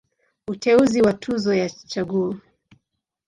Uteuzi wa Tuzo ya Chaguo.